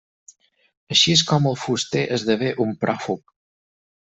Així és com el fuster esdevé un pròfug.